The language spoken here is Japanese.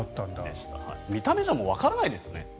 見た目じゃもうわからないですね。